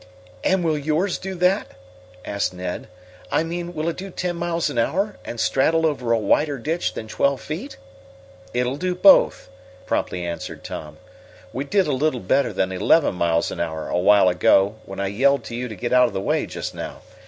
"And will yours do that?" asked Ned. "I mean will it do ten miles an hour, and straddle over a wider ditch than twelve feet?" "It'll do both," promptly answered Tom. "We did a little better than eleven miles an hour a while ago when I yelled to you to get out of the way just now.